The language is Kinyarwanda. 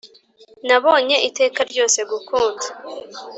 nabonye iteka ryose gukunda.